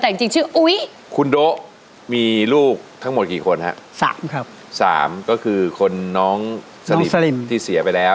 แต่จริงจริงชื่ออุ้ยคุณโด๊ะมีลูกทั้งหมดกี่คนฮะสามครับสามก็คือคนน้องสลิสลิมที่เสียไปแล้ว